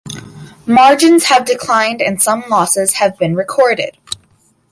Margins have declined and some losses have been recorded.